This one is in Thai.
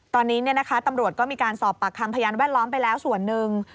ตอนนี้ตำรวจก็มีการสอบปากคำพยานแวดล้อมไปแล้วส่วนหนึ่ง